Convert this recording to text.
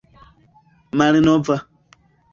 malnova